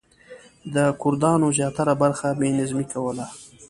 د کردانو زیاتره برخه بې نظمي کوله.